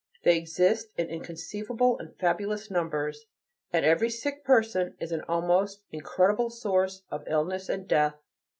They exist in inconceivable and fabulous numbers; and every sick person is an almost incredible source of illness and death.